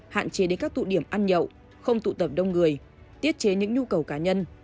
hạn chế đến các tụ điểm ăn nhậu không tụ tập đông người tiết chế những nhu cầu cá nhân